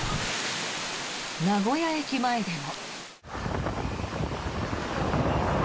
名古屋駅前でも。